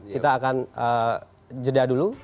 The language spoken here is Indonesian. kita akan jeda dulu